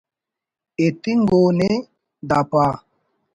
ایتنگ ءُ نے دا پا